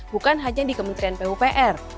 bukan hanya di kementerian pupr